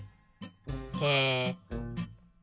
へえ！